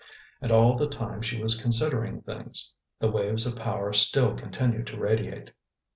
And all the time she was considering things, the waves of power still continued to radiate.